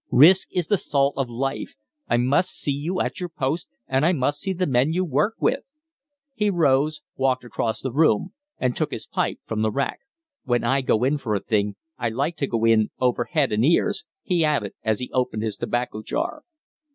Risk is the salt of life. I must see you at your post, and I must see the men you work with." He rose, walked across the room, and took his pipe from the rack. "When I go in for a thing, I like to go in over head and ears," he added, as he opened his tobacco jar.